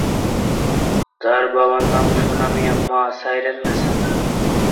তাঁর বাবার নাম সোনা মিয়া, মা সাইরননেছা।